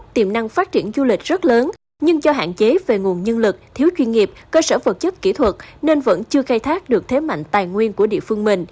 tiềm năng phát triển du lịch rất lớn nhưng do hạn chế về nguồn nhân lực thiếu chuyên nghiệp cơ sở vật chất kỹ thuật nên vẫn chưa khai thác được thế mạnh tài nguyên của địa phương mình